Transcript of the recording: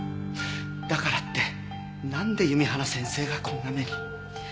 だからってなんで弓原先生がこんな目に。